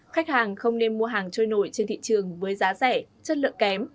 khách hàng không nên mua hàng trôi nổi trên thị trường với giá rẻ chất lượng kém